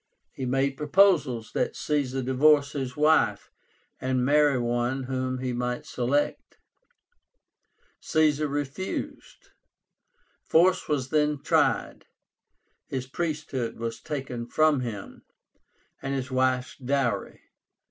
He made proposals that Caesar divorce his wife and marry one whom he might select. Caesar refused. Force was then tried. His priesthood was taken from him, and his wife's dowry.